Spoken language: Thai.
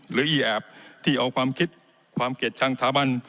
อีแอบที่เอาความคิดความเกลียดชังถาบัน